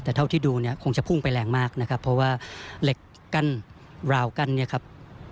แต่เท่าที่ดูเนี่ยคงจะพุ่งไปแรงมากนะครับเพราะว่าเหล็กกั้นราวกั้นเนี่ยครับ